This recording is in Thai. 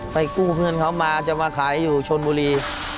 กู้เพื่อนเขามาจะมาขายอยู่ชนบุรี